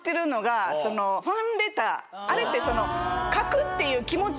あれって。